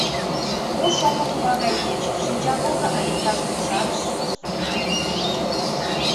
— Мо шоҥго кува гай лийыч: шинча возо але иктаже пошарыш?